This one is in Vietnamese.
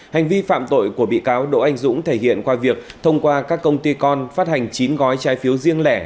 hành vi phạm tội của bị cáo đỗ anh dũng thể hiện qua việc thông qua các công ty con phát hành chín gói trái phiếu riêng lẻ